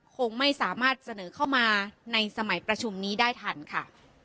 คงไม่สามารถเสนอเข้ามาในสมัยประชุมนี้ได้ทันค่ะ